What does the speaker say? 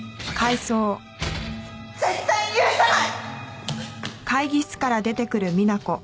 絶対に許さない！